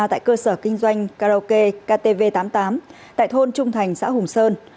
tại cơ sở kinh doanh karaoke ktv tám mươi tám tại thôn trung thành xã hùng sơn